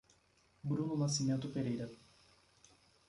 Bruno Nascimento Pereira